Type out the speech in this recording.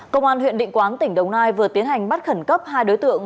công an huyện định quán tỉnh đồng nai vừa tiến hành bắt khẩn cấp hai đối tượng